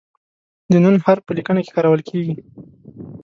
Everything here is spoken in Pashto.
د "ن" حرف په لیکنه کې کارول کیږي.